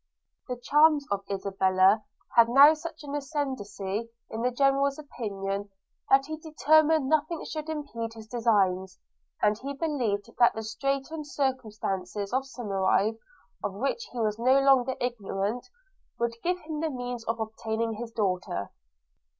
– The charms of Isabella had now such an ascendency in the General's imagination, that he determined nothing should impede his designs; and he believed that the straitened circumstances of Somerive, of which he was no longer ignorant, would give him the means of obtaining his daughter.